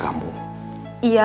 ami sudah tanya